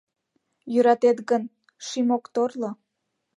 Йӧратет гын, шӱм ок торло.